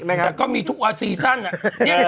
แต่ก็มีทัวร์ซีซั่งอ่ะ